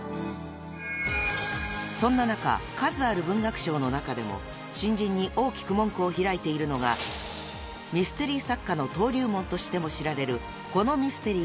［そんな中数ある文学賞の中でも新人に大きく門戸を開いているのがミステリー作家の登竜門としても知られる］